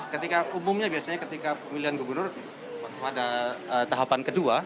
ketika umumnya biasanya ketika pemilihan gubernur pada tahapan kedua